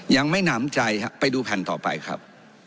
ยังไม่หนามใจไปดูแผ่นต่อไปครับ